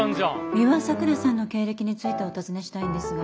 美羽さくらさんの経歴についてお尋ねしたいんですが。